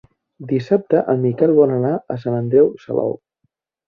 Dissabte en Miquel vol anar a Sant Andreu Salou.